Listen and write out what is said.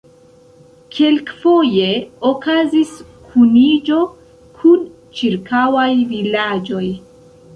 Kelkfoje okazis kuniĝo kun ĉirkaŭaj vilaĝoj.